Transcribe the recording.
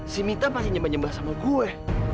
si mita pasti nyembah nyembah sama gue